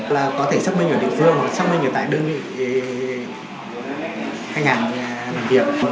là có thể xác minh ở địa phương và xác minh ở tại đơn vị khách hàng làm việc